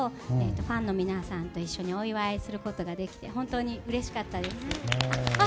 ファンの皆さんと一緒にお祝いすることができて本当にうれしかったです。